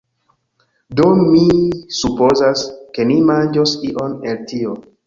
Do, mi supozas, ke ni manĝos ion el tio